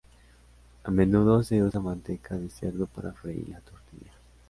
A menudo se usa manteca de cerdo para freír la tortilla.